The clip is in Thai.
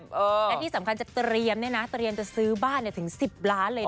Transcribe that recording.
และที่สำคัญจะเตรียมเนี่ยนะเตรียมจะซื้อบ้านถึง๑๐ล้านเลย